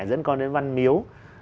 dẫn con đến văn miếu